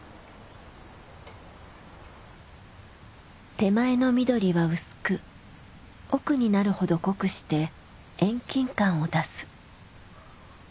手前の緑は薄く奥になるほど濃くして遠近感を出す。